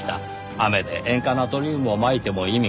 雨で塩化ナトリウムをまいても意味がない。